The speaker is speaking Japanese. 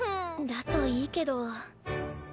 だといいけど。